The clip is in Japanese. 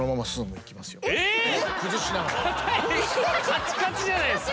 カチカチじゃないっすか！